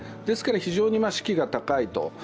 ですから、非常に士気が高いと。